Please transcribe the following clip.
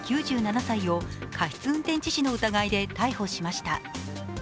９７歳を過失運転致死の疑いで逮捕しました。